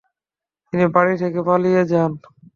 তিনি বাড়ি থেকে পালিয়ে যান।